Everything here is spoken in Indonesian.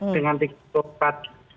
dengan tiktok patin